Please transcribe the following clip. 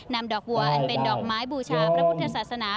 นำดอกวัวอันเป็นดอกไม้บูชาพระพุทธศาสนา